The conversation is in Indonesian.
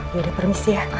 ya udah permisi ya